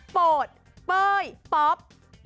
โปดเบ้ยต๊อป